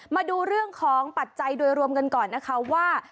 มาดูเรื่องของปัจจัยโดยรวมกันก่อนนะคะว่า